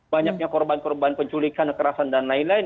banyaknya korban korban penculikan kekerasan dan lain lain